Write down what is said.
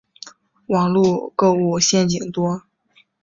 网路购物陷阱多